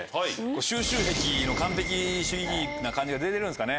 収集癖の完璧主義な感じが出てるんですかね。